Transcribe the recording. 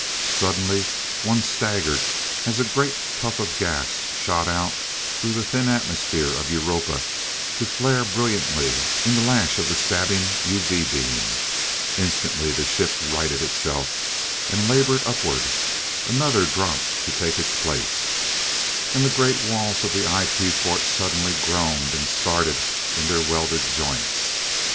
Suddenly one staggered as a great puff of gas shot out through the thin atmosphere of Europa to flare brilliantly in the lash of the stabbing UV beam. Instantly the ship righted itself, and labored upward. Another dropped to take its place And the great walls of the IP fort suddenly groaned and started in their welded joints.